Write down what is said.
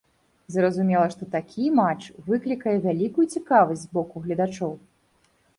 Зразумела, што такі матч выклікае вялікую цікавасць з боку гледачоў.